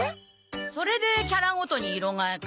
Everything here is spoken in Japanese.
それでキャラごとに色変えか？